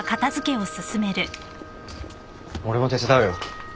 ・俺も手伝うよ。